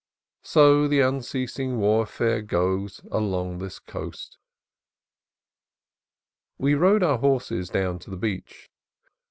So the unceasing warfare goes along this coast. We rode our horses down to the beach.